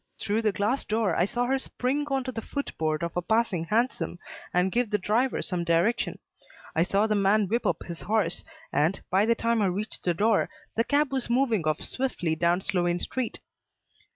Through the glass door, I saw her spring on to the foot board of a passing hansom and give the driver some direction. I saw the man whip up his horse, and, by the time I reached the door, the cab was moving off swiftly towards Sloane Street.